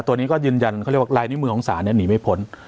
ตัวนี้ก็ยืนยันคือไลนิ่มมือองศาหนีไม่พ้น